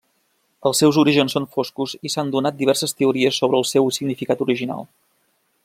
Els seus orígens són foscos i s'han donat diverses teories sobre el seu significat original.